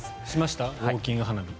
しました。